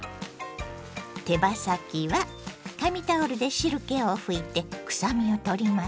手羽先は紙タオルで汁けを拭いて臭みをとりますよ。